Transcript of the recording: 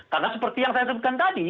karena seperti yang saya sebutkan tadi